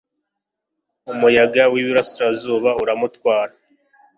umuyaga w'iburasirazuba uramutwara